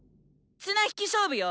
綱引き勝負よ